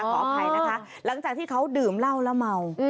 ขออภัยนะคะหลังจากที่เขาดื่มเหล้าแล้วเมา